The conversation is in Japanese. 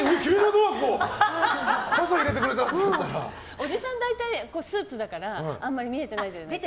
おじさんは大体スーツだからあまり見えてないじゃないですか。